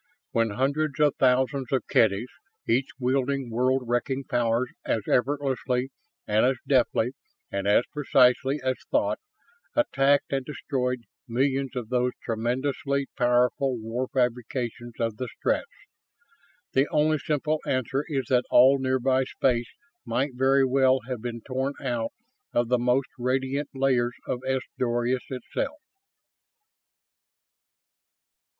When hundreds of thousands of Kedys, each wielding world wrecking powers as effortlessly and as deftly and as precisely as thought, attacked and destroyed millions of those tremendously powerful war fabrications of the Stretts? The only simple answer is that all nearby space might very well have been torn out of the most radiant layers of S Doradus itself.